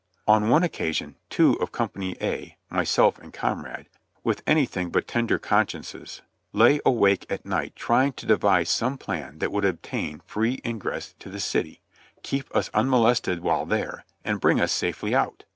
On one occasion two of Company A (myself and comrade), with anything but tender consciences, lay awake at night trying to devise some plan that would obtain free ingress to the city, keep us unmolested while there, and bring us safely out.